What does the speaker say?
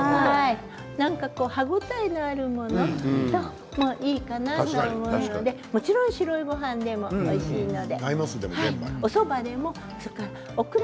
なんか歯応えのあるものいいかなと思うのでもちろん白いごはんでもおいしいので。